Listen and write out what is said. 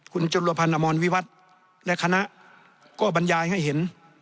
คุณจรวพรรณมอนวิวัฒน์และคณะก็บรรยายให้เห็น